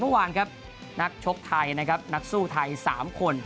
เมื่อวานครับนักชกไทยนะครับนักสู้ไทย๓คน